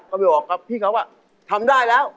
เขาไปบอกครับพี่เขาก็ทำได้แล้ว